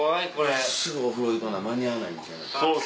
すぐお風呂行かな間に合わないんちゃいます？